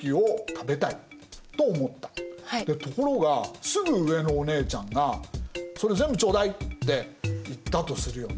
ところがすぐ上のお姉ちゃんが「それ全部頂戴！」って言ったとするよね。